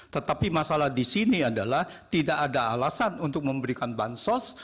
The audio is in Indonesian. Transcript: tetapi masalah di sini adalah tidak ada alasan untuk memberikan bansos